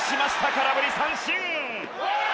空振り三振！